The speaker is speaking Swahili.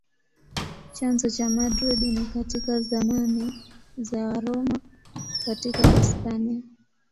Chanzo cha Madrid ni katika zamani za Waroma katika Hispania.